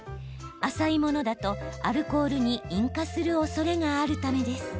浅いものだとアルコールに引火するおそれがあるためです。